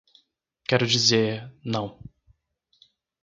Quero dizer, não.